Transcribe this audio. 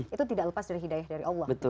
itu tidak lepas dari hidayah dari allah